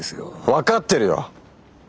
分かってるよ！